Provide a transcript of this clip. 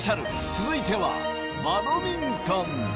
続いてはバドミントン。